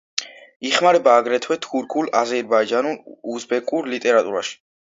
იხმარება აგრეთვე თურქულ, აზერბაიჯანულ, უზბეკურ ლიტერატურაში.